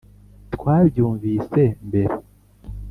twabyumvise mbere.